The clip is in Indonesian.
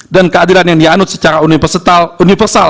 dan keadilan yang dianut secara universal